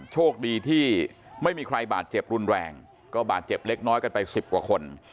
โชคดีที่ไม่มีใครบาดเจ็บรุนแรงก็บาดเจ็บเล็กน้อยกันไป๑๐กว่าคน